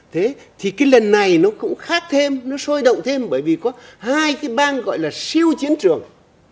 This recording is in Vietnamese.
thế thì cái lần này nó cũng khác thêm nó sôi động thêm bởi vì có hai cái bang gọi là siêu chiến trường